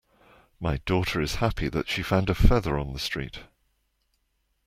My daughter is happy that she found a feather on the street.